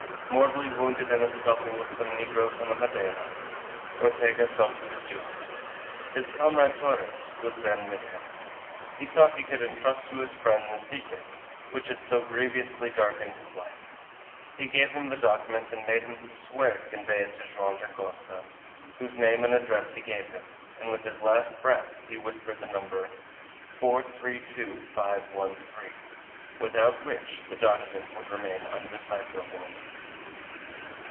Mortally wounded in a scuffle with some negroes on the Madeira, Ortega felt he was doomed. His comrade Torres was then with him. He thought he could intrust to his friend the secret which had so grievously darkened his life. He gave him the document, and made him swear to convey it to Joam Dacosta, whose name and address he gave him, and with his last breath he whispered the number 432513, without which the document would remain undecipherable.